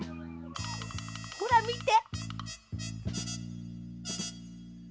ほらみて！